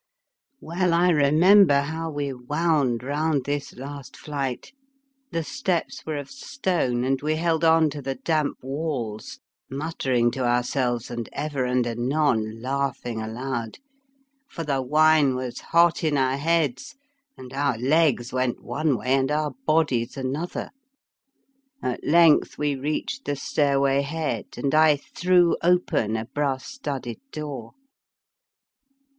Well I remember how we wound round this last flight; the steps were of stone, and we held on to the damp walls, muttering to ourselves and ever and anon laughing aloud ; for the wine was hot in our heads, and our legs went one way and our bodies another. At length we reached the stairway head, and I threw open a brass stud ded door.